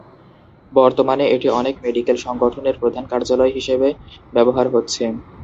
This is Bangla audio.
বর্তমানে এটি অনেক মেডিকেল সংগঠনের প্রধান কার্যালয় হিসাবে ব্যবহার হচ্ছে।